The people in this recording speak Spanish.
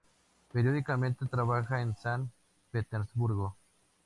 Periódicamente trabaja en San Petersburgo.